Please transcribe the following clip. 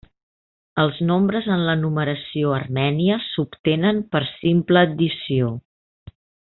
Els nombres en la numeració armènia s'obtenen per simple addició.